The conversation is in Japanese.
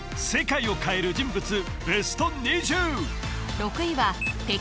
世界を変える人物